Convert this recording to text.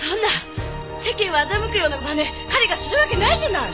世間を欺くような真似彼がするわけないじゃない！